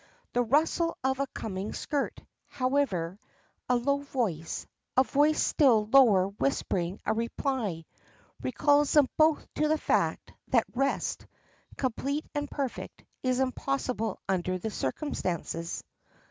The rustle of a coming skirt, however, a low voice, a voice still lower whispering a reply, recalls them both to the fact that rest, complete and perfect, is impossible under the circumstances.